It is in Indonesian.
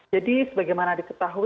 jadi bagaimana diketahui